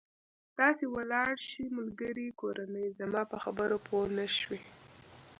داسې ولاړ شئ، ملګري، کورنۍ، زما په خبرو پوه نه شوې.